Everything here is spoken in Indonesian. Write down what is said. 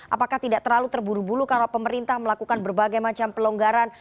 apakah tidak terlalu terburu buru kalau pemerintah melakukan berbagai macam pelonggaran